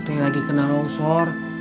teh lagi kena longsor